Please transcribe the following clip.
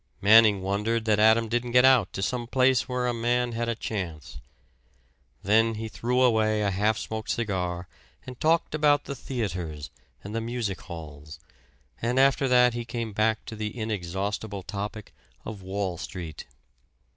Manning wondered that Adam didn't get out to some place where a man had a chance. Then he threw away a half smoked cigar and talked about the theaters and the music halls; and after that he came back to the inexhaustible topic of Wall Street.